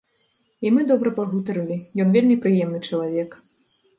І мы добра пагутарылі, ён вельмі прыемны чалавек.